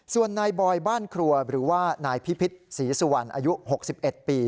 ส่วนนายบอยบ้านครัวหรือว่านายพิพิษศรีสุวรรณอายุ๖๑ปี